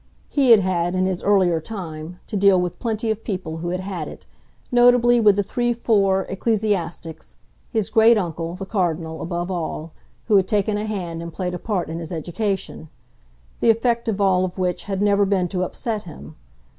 He had had, in his earlier time, to deal with plenty of people who had had it; notably with the three four ecclesiastics, his great uncle, the Cardinal, above all, who had taken a hand and played a part in his education: the effect of all of which had never been to upset him.